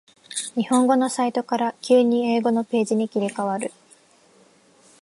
日本語のサイトから急に英語のページに切り替わる